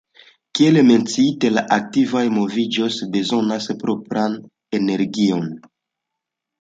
Kiel menciite, la aktivaj moviĝoj bezonas propran energion.